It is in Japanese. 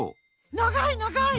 ながいながい！